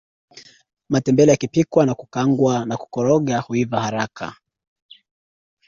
matembele yakipikwa na kukaangwa na kukoroga huiva haraka